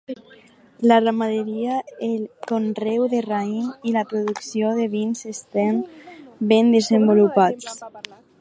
La ramaderia, el conreu de raïm i la producció de vins estan ben desenvolupats.